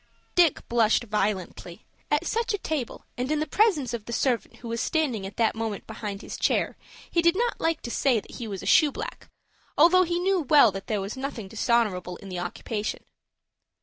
Dick blushed violently. At such a table, and in presence of the servant who was standing at that moment behind his chair, he did not like to say that he was a shoe black, although he well knew that there was nothing dishonorable in the occupation.